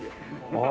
ああ